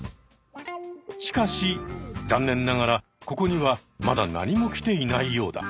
しかし残念ながらここにはまだ何も来ていないようだ。